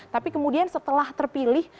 tapi kemudian setelah terpilih